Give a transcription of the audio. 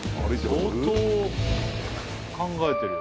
相当考えてる。